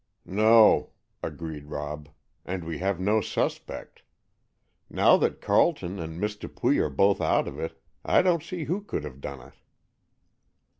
"No," agreed Rob, "and we have no suspect. Now that Carleton and Miss Dupuy are both out of it, I don't see who could have done it."